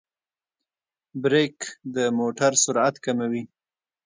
برېک د موټر سرعت کموي.